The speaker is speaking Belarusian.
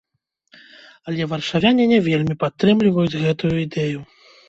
Але варшавяне не вельмі падтрымліваюць гэтую ідэю.